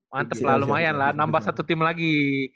mantep lah lumayan lah nambah satu tim lagi